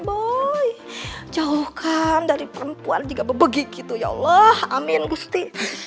boy jauhkan dari perempuan juga bebegik gitu ya allah amin gusti